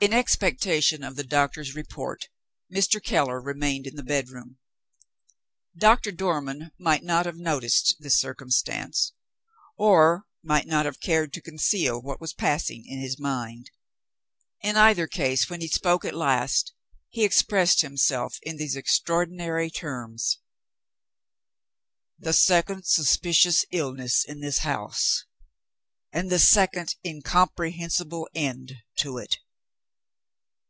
In expectation of the doctor's report, Mr. Keller remained in the bedroom. Doctor Dormann might not have noticed this circumstance, or might not have cared to conceal what was passing in his mind. In either case, when he spoke at last, he expressed himself in these extraordinary terms: "The second suspicious illness in this house! And the second incomprehensible end to it!"